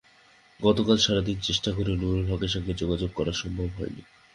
গতকাল সারা দিন চেষ্টা করেও নুরুল হকের সঙ্গে যোগাযোগ করা সম্ভব হয়নি।